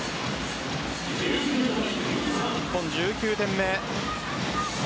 日本、１９点目。